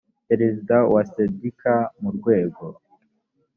perezida wa sendika mu rwego